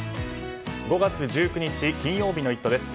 ５月１９日、金曜日の「イット！」です。